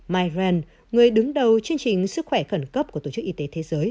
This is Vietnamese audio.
mike renn người đứng đầu chương trình sức khỏe khẩn cấp của tổ chức y tế thế giới